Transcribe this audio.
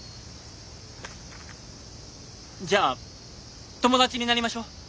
「じゃあ友達になりましょう」。